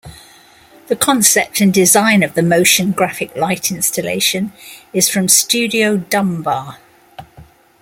The concept and design of the motion graphic light installation is from Studio Dumbar.